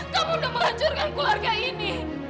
kamu sudah melancurkan keluarga ini